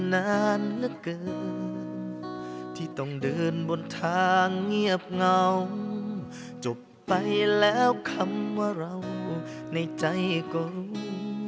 อยากทรวจจากภาพมีความเสียใจขึ้น